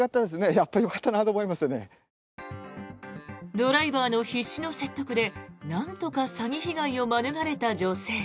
ドライバーの必死の説得でなんとか詐欺被害を免れた女性。